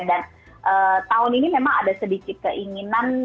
dan tahun ini memang ada sedikit keinginan